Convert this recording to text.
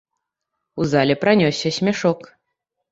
У зале пранёсся смяшок.